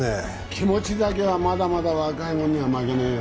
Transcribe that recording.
気持ちだけはまだまだ若いもんには負けねえよ。